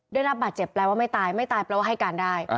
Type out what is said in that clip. ได้รับบาดเจ็บแปลว่าไม่ตายไม่ตายแปลว่าให้การได้